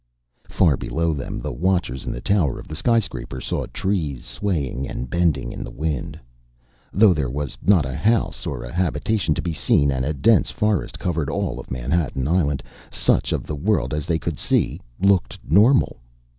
Far below them, the watchers in the tower of the skyscraper saw trees swaying and bending in the wind. Though there was not a house or a habitation to be seen and a dense forest covered all of Manhattan Island, such of the world as they could see looked normal.